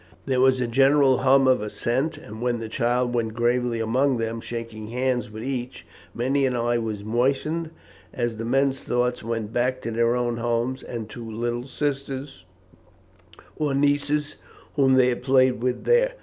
There was a general hum of assent, and when the child went gravely among them, shaking hands with each, many an eye was moistened, as the men's thoughts went back to their own homes, and to little sisters or nieces whom they had played with there.